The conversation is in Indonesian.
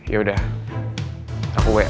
tambah gak enak sama bu nawang